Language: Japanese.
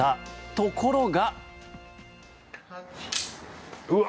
ところが。